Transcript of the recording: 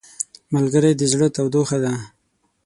ملګری د زړه تودوخه ده